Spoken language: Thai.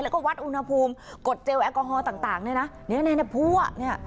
แล้วก็วัดอุณหภูมิกดเจลแอลกอฮอลต่างต่างเนี่ยนะเนี่ยพั่วเนี่ย